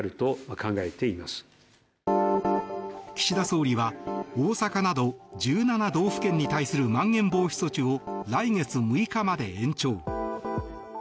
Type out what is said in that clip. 岸田総理は大阪など１７道府県に対するまん延防止措置を来月６日まで延長。